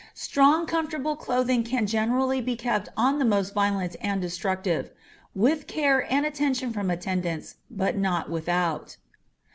Strong comfortable clothing can generally be kept on the most violent and destructive, with care and attention from attendants, but not without.